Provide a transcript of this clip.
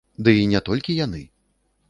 Дый не толькі яны.